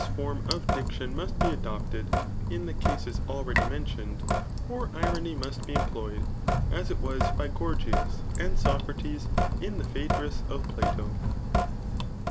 form of diction mM t»e adopted [in the om* alrauljr memioiied,] or irony most be ttnployed, as it was bf Oorgias, and Socrates in the Phiedrus of Plato.